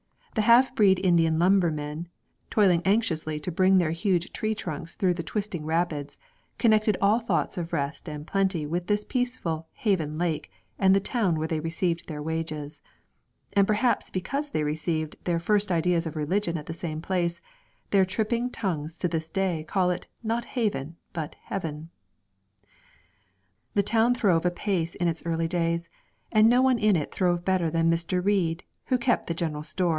The half breed Indian lumber men, toiling anxiously to bring their huge tree trunks through the twisting rapids, connected all thoughts of rest and plenty with the peaceful Haven Lake and the town where they received their wages; and, perhaps because they received their first ideas of religion at the same place, their tripping tongues to this day call it, not 'Haven,' but 'Heaven.' The town throve apace in its early days, and no one in it throve better than Mr. Reid, who kept the general shop.